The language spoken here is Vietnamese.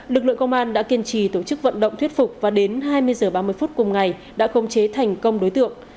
lực lượng công an đã kiên trì tổ chức vận động thuyết phục và đến hai mươi h ba mươi phút cùng ngày đã khống chế thành công đối tượng